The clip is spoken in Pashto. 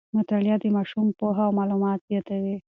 مطالعه د ماشوم پوهه او معلومات زیاتوي.